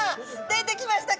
出てきました